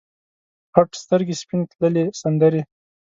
غټ سترګې سپینې تللې سندرې